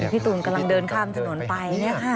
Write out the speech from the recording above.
พี่ตูนกำลังเดินข้ามถนนไป